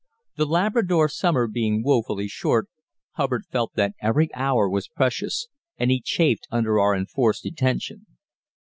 The Labrador summer being woefully short, Hubbard felt that every hour was precious, and he chafed under our enforced detention.